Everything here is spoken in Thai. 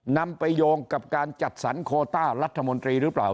นำไปโยงกับการจัดสรรโคต้ารัฐมนตรีหรือเปล่า